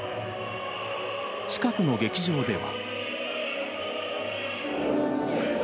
近くの劇場では。